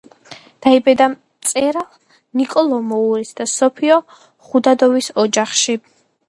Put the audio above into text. დაიბადა მწერალ ნიკო ლომოურის და სოფიო ხუდადოვის ოჯახში.